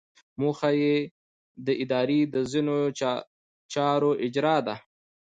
موخه یې د ادارې د ځینو چارو اجرا ده.